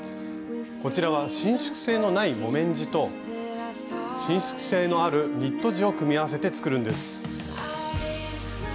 こちらは伸縮性のない木綿地と伸縮性のあるニット地を組み合わせて作るんです。